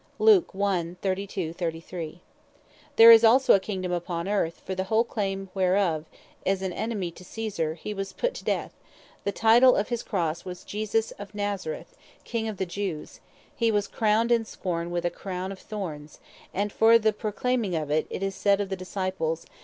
This is also a Kingdome upon Earth; for the claim whereof, as an enemy to Caesar, he was put to death; the title of his crosse, was, Jesus of Nazareth, King of the Jews; hee was crowned in scorn with a crown of Thornes; and for the proclaiming of him, it is said of the Disciples (Acts 17.